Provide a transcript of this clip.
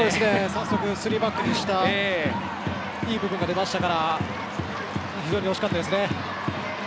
早速、スリーバックにしたいい部分が出ましたから非常に惜しかったですね。